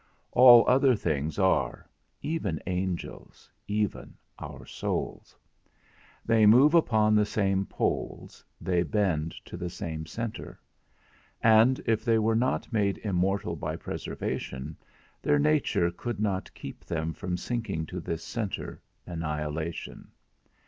All other things are; even angels, even our souls; they move upon the same poles, they bend to the same centre; and if they were not made immortal by preservation, their nature could not keep them from sinking to this centre, annihilation.